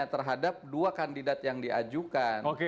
terhadap dua kandidat yang diajukan